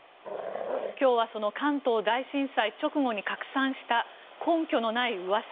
今日はその関東大震災直後に拡散した根拠のない噂